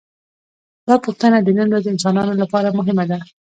دا پوښتنه د نن ورځې انسانانو لپاره مهمه ده.